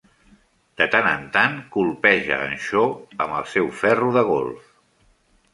De tant en tant, colpeja en Shaw amb el seu ferro de golf.